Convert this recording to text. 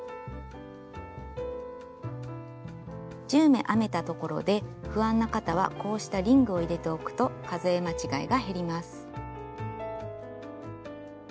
１０目編めたところで不安な方はこうしたリングを入れておくと数え間違いが減ります。